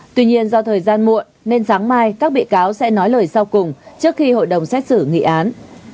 tuy nhiên do thời gian muộn nên sáng mai các bị cáo sẽ nói lời sau cùng trước khi hội đồng xét xử nghị án